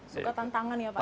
suka tantangan ya pak